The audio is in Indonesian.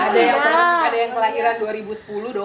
ada yang kelahiran dua ribu sepuluh dong